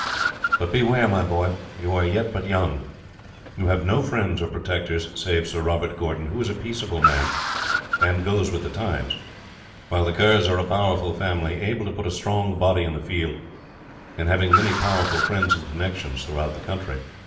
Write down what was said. But beware, my boy; you are yet but young; you have no friends or protectors, save Sir Robert Gordon, who is a peaceable man, and goes with the times; while the Kerrs are a powerful family, able to put a strong body in the field, and having many powerful friends and connections throughout the country.